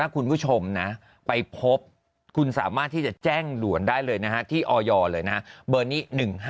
คุณผู้ชมนะไปพบคุณสามารถที่จะแจ้งด่วนได้เลยที่ออยเลยนะฮะเบอร์นี้๑๕